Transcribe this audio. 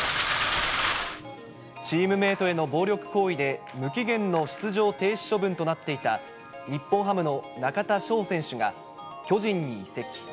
チームメートへの暴力行為で、無期限の出場停止処分となっていた、日本ハムの中田翔選手が、巨人に移籍。